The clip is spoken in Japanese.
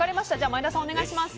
前田さん、お願いします。